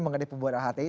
mengenai pembuat ahti